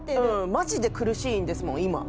マジで苦しいんですもん今。